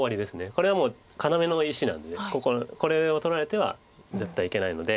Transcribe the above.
これはもう要の石なのでこれを取られては絶対いけないので。